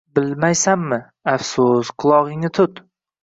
Bilmaysanmi? Afsus… Qulog’ingni tut.